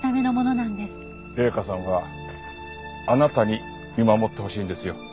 麗華さんはあなたに見守ってほしいんですよ。